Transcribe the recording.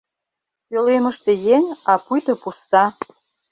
Пӧлемыште еҥ, а пуйто пуста.